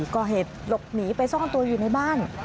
ก่อเหตุหลบหนีไปซ่อนตัวอยู่ในบ้าน